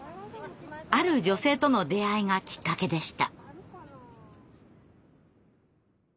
ある女性との出会いがきっかけでした。